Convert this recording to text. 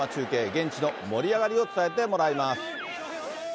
現地の盛り上がりを伝えてもらいます。